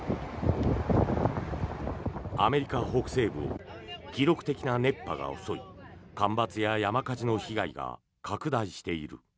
アメリカ北西部を記録的な熱波が襲い干ばつや山火事の被害が拡大している。